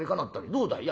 どうだい？